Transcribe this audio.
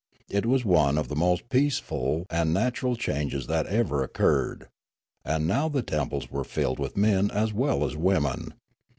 It was one of the most peaceful and natural changes that ever occurred; and now the temples were filled with men as well as women.